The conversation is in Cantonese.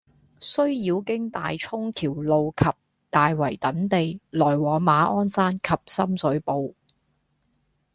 須繞經大涌橋路及大圍等地來往馬鞍山及深水埗，